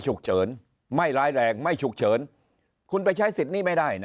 ฉุกเฉินไม่ร้ายแรงไม่ฉุกเฉินคุณไปใช้สิทธิ์นี้ไม่ได้นะ